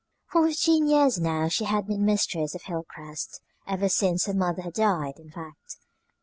For fifteen years now she had been mistress of Hilcrest, ever since her mother had died, in fact.